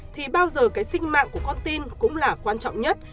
thì bao giờ cái sinh mạng của con tin cũng là quan trọng nhất